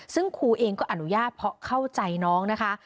ซึ่งครูเองก็อนุญาตเพราะเข้าใจน้องนะคะ